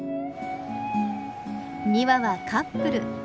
２羽はカップル。